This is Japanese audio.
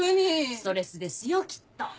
ストレスですよきっと。